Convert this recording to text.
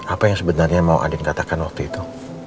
apa yang sebenarnya mau adin katakan waktu itu